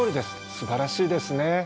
すばらしいですね。